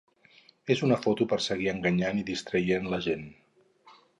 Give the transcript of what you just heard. És una foto per seguir enganyant i distraient la gent.